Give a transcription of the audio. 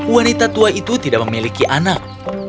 wanita tua itu tidak memiliki anak